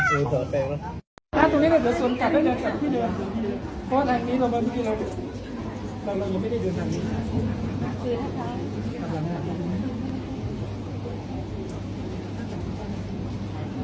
กันร่วมกันน่าจะไม่สนใจแต่พวกเราเป็นอาหารสักช่วง